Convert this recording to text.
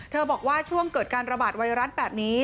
บอกว่าช่วงเกิดการระบาดไวรัสแบบนี้